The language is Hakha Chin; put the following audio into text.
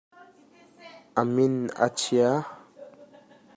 A min a chia.